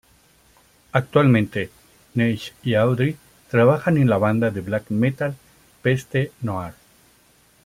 Actualmente, Neige y Audrey trabajan en la banda de Black metal Peste Noire.